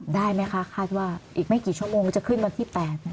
ได้ไหมคะคาดว่าอีกไม่กี่ชั่วโมงจะขึ้นวันที่๘